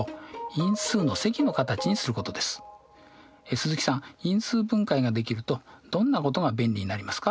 因数分解ができるとどんなことが便利になりますか？